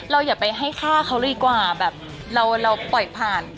อย่าไปให้ฆ่าเขาดีกว่าแบบเราปล่อยผ่าน